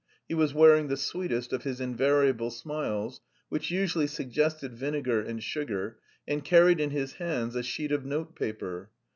He was wearing the sweetest of his invariable smiles, which usually suggested vinegar and sugar, and carried in his hands a sheet of note paper.